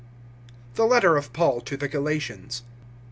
THE LETTER OF PAUL TO THE GALATIANS.